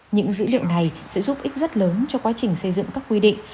những dữ liệu này sẽ giúp ích rất lớn cho quá trình xây dựng các quy định